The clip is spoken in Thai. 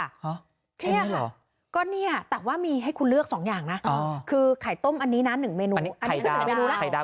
ฮะแค่นี้หรอก็เนี้ยแต่ว่ามีให้คุณเลือกสองอย่างน่ะอ๋อคือไข่ต้มอันนี้น่ะหนึ่งเมนูอันนี้คือหนึ่งเมนูล่ะไข่ดาว